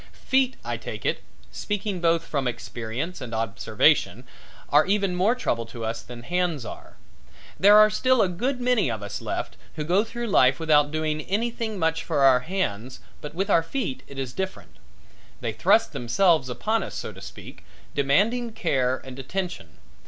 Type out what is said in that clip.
Feet, I take it, speaking both from experience and observation, are even more trouble to us than hands are. There are still a good many of us left who go through life without doing anything much for our hands but with our feet it is different. They thrust themselves upon us so to speak, demanding care and attention.